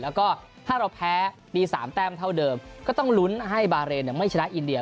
แล้วก็ถ้าเราแพ้มี๓แต้มเท่าเดิมก็ต้องลุ้นให้บาเรนไม่ชนะอินเดีย